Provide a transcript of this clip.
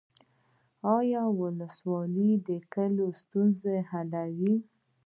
آیا ولسوال د کلیو ستونزې حلوي؟